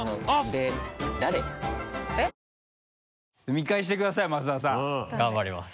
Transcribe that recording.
見返してください増田さん頑張ります。